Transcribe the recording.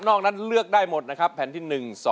นั้นเลือกได้หมดนะครับแผ่นที่๑๒